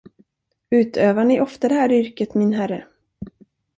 Utövar ni ofta det här yrket, min herre?